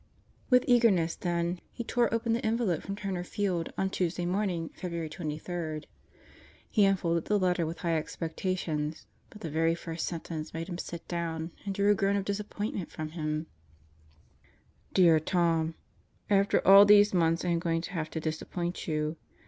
With eagerness, then, he tore open the envelope from Turner Field on Tuesday morning, February 23. He unfolded the letter with high expectations, but the very first sentence made him sit down and drew a groan of disappointment from him: Dear Tom: After all these months I am going to have to disappoint you.